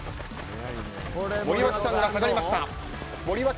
森脇さんが下がりました。